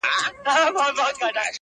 هم داسي ستا دا گل ورين مخ،